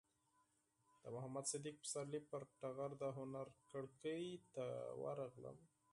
د محمد صدیق پسرلي پر ټغر د هنر کړکۍ ته ورغلم.